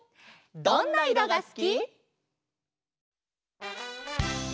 「どんな色がすき」。